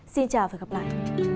xin chào và hẹn gặp lại